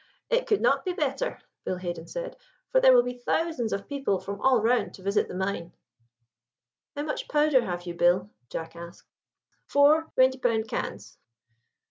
"It could not be better," Bill Haden said; "for there will be thousands of people from all round to visit the mine." "How much powder have you, Bill?" Jack asked. "Four twenty pound cans."